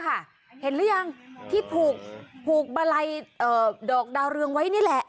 เห็นหรือยังที่ผูกบะลัยดอกดาวเรืองไว้นี่แหละ